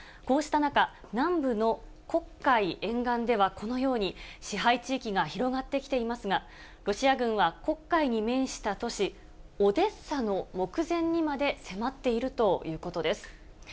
こうした中、南部の黒海沿岸ではこのように、支配地域が広がってきていますが、ロシア軍は黒海に面した都市、オデッサの目前にまで迫っているということです。